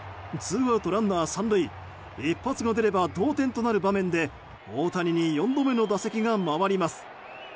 ツーアウトランナー３塁一発が出れば同点となる場面で大谷に４度目の打席が回ります。